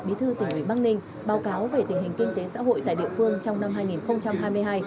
bí thư tỉnh ủy bắc ninh báo cáo về tình hình kinh tế xã hội tại địa phương trong năm hai nghìn hai mươi hai